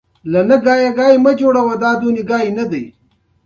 کريم دشفيق ورور په خپل ځاى کې ودرېد.